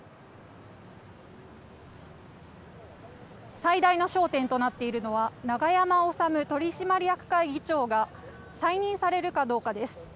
最大の焦点となっているのは永山治取締役会議長が再任されるかどうかです。